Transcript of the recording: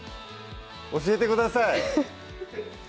教えてください！